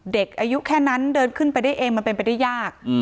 เด็กอายุแค่นั้นเดินขึ้นไปได้เองมันเป็นไปได้ยาก